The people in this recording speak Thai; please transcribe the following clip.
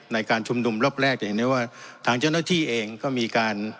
ในการชุมนุมรอบแรกจะเห็นได้ว่าทางเจ้าหน้าที่เองก็มีการ